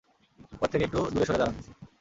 ওর থেকে একটু দূরে সরে দাঁড়ান!